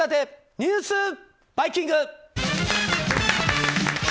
ニュースバイキング。